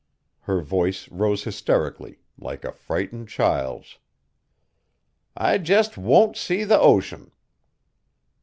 Her voice rose hysterically, like a frightened child's. "I jest won't see the ocean!"